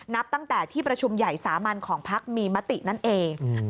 นับตั้งแต่ที่ประชุมใหญ่สามัญของพักมีมตินั่นเอง